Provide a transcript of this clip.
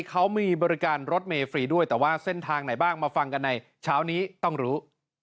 เขามีบริการรถเมฟรีด้วยแต่ว่าเส้นทางไหนบ้างมาฟังกันในเช้านี้ต้องรู้